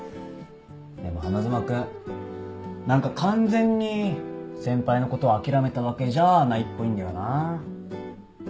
でも花妻君何か完全に先輩のこと諦めたわけじゃないっぽいんだよな。